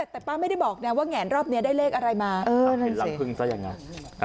แต่ป้าไม่ได้บอกนะว่าแงนรอบนี้ได้เลขอะไรมาเห็นรังพึ่งซะอย่างนั้น